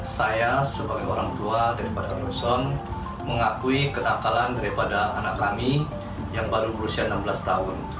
saya sebagai orang tua daripada nuson mengakui kenakalan daripada anak kami yang baru berusia enam belas tahun